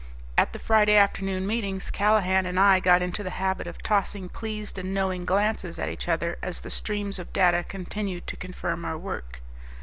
At the Friday afternoon meetings Callahan and I got into the habit of tossing pleased and knowing glances at each other as the streams of data continued to confirm our work.